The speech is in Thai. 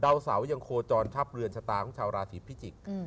เสายังโคจรทัพเรือนชะตาของชาวราศีพิจิกษ์